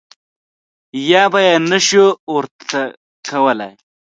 یا به یې نه شوای ورته کولای.